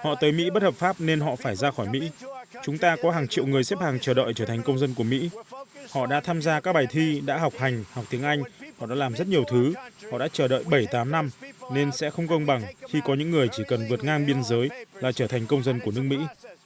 họ tới mỹ bất hợp pháp nên họ phải ra khỏi mỹ chúng ta có hàng triệu người xếp hàng chờ đợi trở thành công dân của mỹ họ đã tham gia các bài thi đã học hành học tiếng anh họ đã làm rất nhiều thứ họ đã chờ đợi bảy tám năm nên sẽ không công bằng khi có những người chỉ cần vượt ngang biên giới là trở thành công dân của nước mỹ